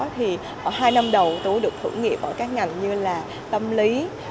thì ở hai năm đầu tú được thử nghiệp ở các ngành như là tâm lý